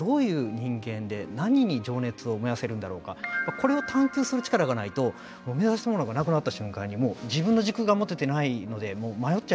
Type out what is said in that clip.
これを探究する力がないともう目指したものがなくなった瞬間にもう自分の軸が持ててないのでもう迷っちゃいますよね。